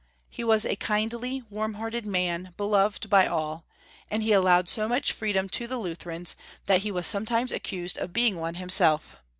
He was a kindly, warm hearted man, beloved by all, and he allowed so much freedom to the Lutherans that he was sometimes accused of being one himself.